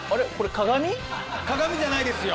鏡じゃないですよ。